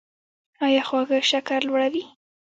ایا خواږه شکر لوړوي؟